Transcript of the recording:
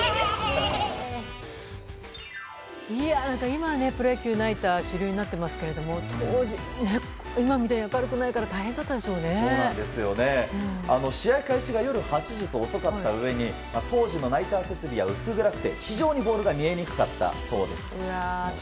今、プロ野球のナイターは主流になっていますが当時は今みたいに明るくないから試合開始が夜８時と遅かったうえに当時のナイター設備は薄暗くて非常に、ボールが見えにくかったそうです。